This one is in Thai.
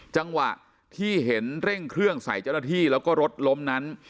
จังหวะที่เห็นเร่งเครื่องใส่เจ้าหน้าที่แล้วก็รถล้มนั้น